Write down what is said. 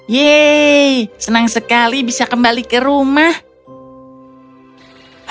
yeay senang sekali bisa kembali ke rumah